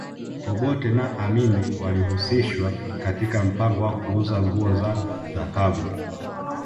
Obote na Amin walihusishwa katika mpango wa kuuza nguo za dhahabu